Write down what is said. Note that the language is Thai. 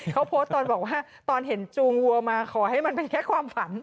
เขาโพสต์ตอนบอกว่าตอนเห็นจูงวัวมาขอให้มันเป็นแค่ความฝัน